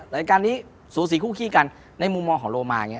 รายการนี้สูตรสี่คู่ครีกกันในมุมมองของโลมา